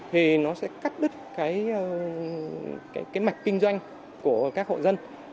thì nó sẽ cắt đứt cái mạch kinh doanh của các hộ dân